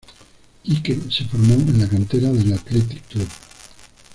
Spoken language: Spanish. Kike se formó en la cantera del Athletic Club.